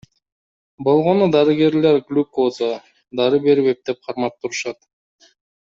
Болгону дарыгерлер глюкоза, дары берип эптеп кармап турушат.